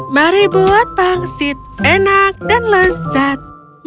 mari buat pangsit enak dan lezat